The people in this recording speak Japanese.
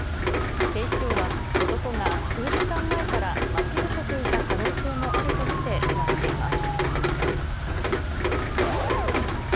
警視庁は男が数時間前から待ち伏せていた可能性もあると見て調べています。